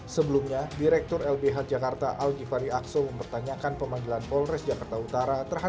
sebelumnya direktur lbh jakarta aljifari akso mempertanyakan pemanggilan polres jakarta utara